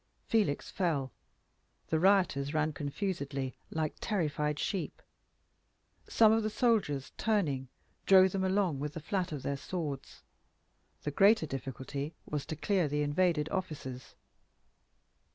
Felix fell. The rioters ran confusedly, like terrified sheep. Some of the soldiers, turning, drove them along with the flat of their swords. The greater difficulty was to clear the invaded offices.